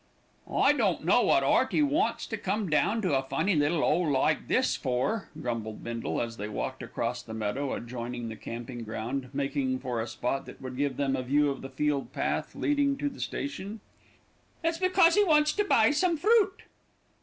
"I don't know wot 'Earty wants to come down to a funny little 'ole like this for," grumbled Bindle, as they walked across the meadow adjoining the camping ground, making for a spot that would give them a view of the field path leading to the station. "It's because he wants to buy some fruit."